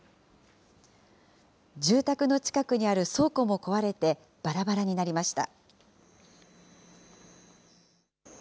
住宅の近くにある倉庫も壊れて、ばらばらになりました。